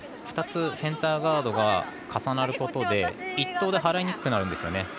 ２つセンターガードが重なることで１投で払いにくくなるんですよね。